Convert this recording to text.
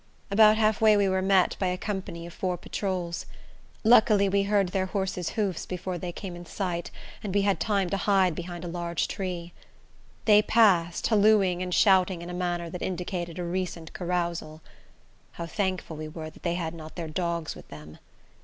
About half way we were met by a company of four patrols. Luckily we heard their horse's hoofs before they came in sight, and we had time to hide behind a large tree. They passed, hallooing and shouting in a manner that indicated a recent carousal. How thankful we were that they had not their dogs with them!